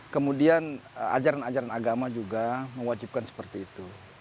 kemudian ajaran ajaran agama juga mewajibkan seperti itu